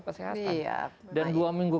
kesehatan dan dua minggu